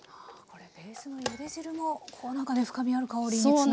これベースのゆで汁もこうなんかね深みある香りにつながってるんですね。